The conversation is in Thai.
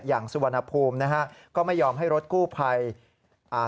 อย่างสุวรรณภูมิก็ไม่ยอมให้รถกู้ไพร